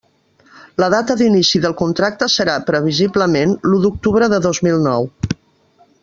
La data d'inici del contracte serà, previsiblement, l'u d'octubre de dos mil nou.